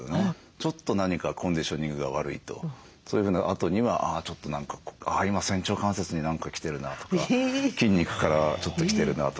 ちょっと何かコンディショニングが悪いとそういうふうなあとにはちょっと仙腸関節に何か来てるなとか筋肉からちょっと来てるなとか。